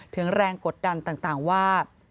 ถึงแรงกดดันต่างว่า